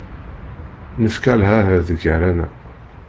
Nefka lɛahed gar-aneɣ.